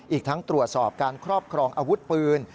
อีกทั้งตรวจสอบการครอบครองอาวุธปืน